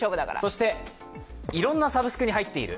そして、いろんなサブスクに入っている。